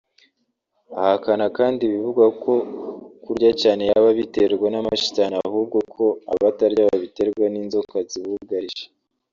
Ahakana kandi ibivugwa ko kurya cyane yaba abiterwa n’amashitani ahubwo ko abatarya babiterwa n’inzoka zibugarije